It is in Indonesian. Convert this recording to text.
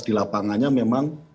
di lapangannya memang